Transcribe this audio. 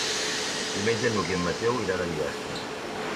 Diumenge n'Hug i en Mateu iran a Bigastre.